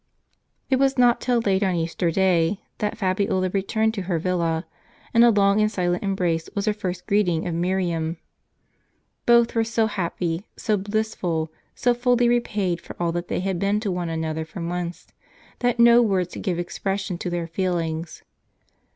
It was not till late on Easter day that Fabiola returned to her villa ; and a long and silent embrace was her first greeting of Miriam. Both were so happy, so blissful, so fully repaid for all that they had been to one another for months, that no words could give expression to their feelings.